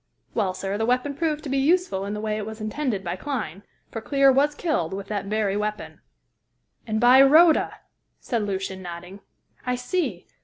Well, sir, the weapon proved to be useful in the way it was intended by Clyne, for Clear was killed with that very weapon." "And by Rhoda!" said Lucian, nodding. "I see!